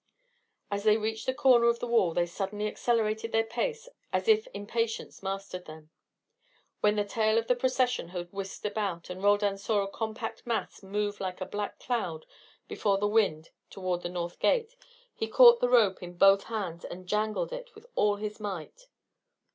As they reached the corner of the wall they suddenly accelerated their pace as if impatience mastered them. When the tail of the procession had whisked about and Roldan saw a compact mass move like a black cloud before the wind toward the north gate, he caught the rope in both hands and jangled with all his might.